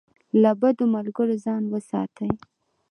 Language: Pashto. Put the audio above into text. له بدو ملګرو ځان وساتئ.